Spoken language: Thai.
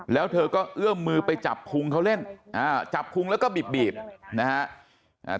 แล้วเธอก็เอื้อมมือไปจับพุงเขาเล่นอ่าจับพุงแล้วก็บีบนะฮะ